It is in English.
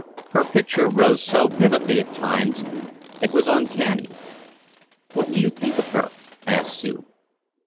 Her picture rose so vividly at times it was uncanny. "What do you think of her?" asked Sue.